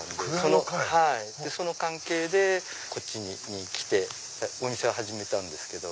その関係でこっちに来てお店を始めたんですけど。